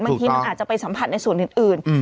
บางทีมันอาจจะไปสัมผัสในส่วนอื่น